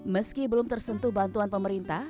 meski belum tersentuh bantuan pemerintah